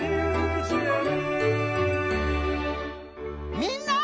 みんな！